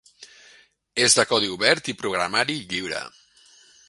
És de codi obert i programari lliure.